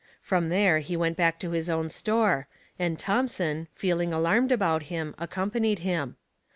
From there he went back to his own store, and Thomson, feeling alarmed about him, accompanied him.